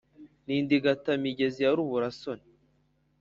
n’indigata- migezi ya rubura-soni.